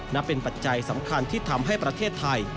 นับเป็นปัจจัยสำคัญที่ทำให้ประเทศไทย